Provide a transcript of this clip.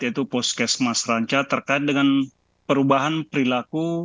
yaitu puskesmas ranca terkait dengan perubahan perilaku